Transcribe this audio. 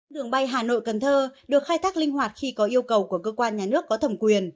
đường bay hà nội cần thơ được khai thác linh hoạt khi có yêu cầu của cơ quan nhà nước có thẩm quyền